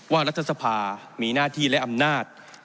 รัฐสภามีหน้าที่และอำนาจ